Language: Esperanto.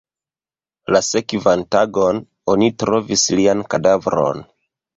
La sekvan tagon, oni trovis lian kadavron.